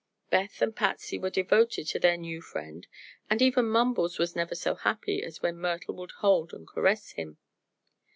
Beth and Patsy were devoted to their new friend and even Mumbles was never so happy as when Myrtle would hold and caress him.